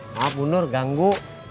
maaf bunur ganggu